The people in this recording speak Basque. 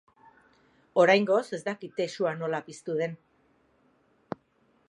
Oraingoz ez dakite sua nola piztu den.